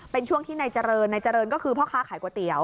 เป็นช่วงที่นายเจริญนายเจริญก็คือพ่อค้าขายก๋วเตี๋ย